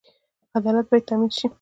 عدالت باید تامین شي